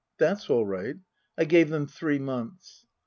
That's all right. I gave them three months."